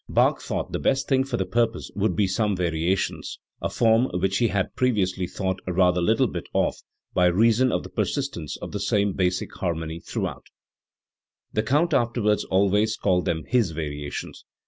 Bach thought the best thing for the pur pose would be some variations, a form which h had previously thought rather little of, by reason of the persistence of the same basic harmony throughout The Count afterwards al ways called them Ms variations.